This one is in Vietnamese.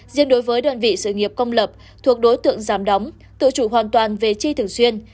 riêng đối với đơn vị sự nghiệp công lập thuộc đối tượng giảm đóng tự chủ hoàn toàn về chi thường xuyên